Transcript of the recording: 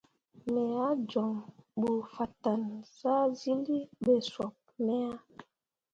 Me ah joŋ ɓe fatan zahzyilli ɓe sop me ah.